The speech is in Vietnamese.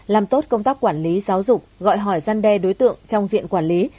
làm tốt công tác quản lý giáo dục gọi hỏi gian đe đối tượng trong diện quản lý